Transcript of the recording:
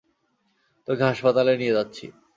তোকে হাসপাতালে নিয়ে যাচ্ছি।